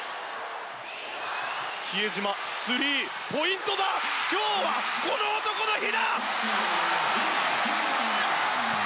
比江島、スリーポイントだ今日はこの男の日だ！